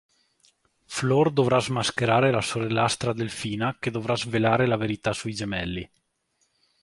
Flor dovrà smascherare la sorellastra Delfina che dovrà svelare la verità sui gemelli.